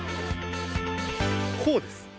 こうです！